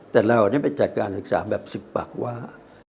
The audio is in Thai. แต่เราได้ไปจัดการศึกษาแบบ๑๐ปากว่า